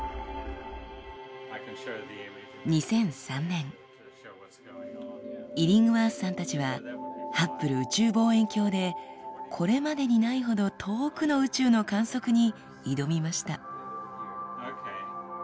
２００３年イリングワースさんたちはハッブル宇宙望遠鏡でこれまでにないほど遠くの宇宙の観測に挑みました。